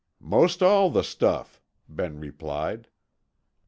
"Most all the stuff," Ben replied.